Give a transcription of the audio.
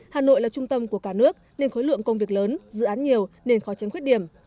hà nội là trung tâm của cả nước nên khối lượng công việc lớn dự án nhiều nên khó tránh khuyết điểm